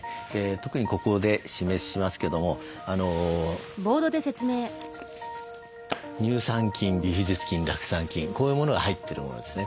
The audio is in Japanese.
特にここで示しますけども乳酸菌ビフィズス菌酪酸菌こういうものが入ってるものですね。